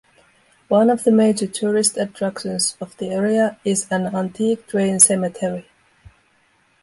One of the major tourist attractions of the area is an antique train cemetery.